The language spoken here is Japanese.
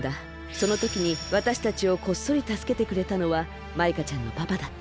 そのときにわたしたちをこっそりたすけてくれたのはマイカちゃんのパパだった。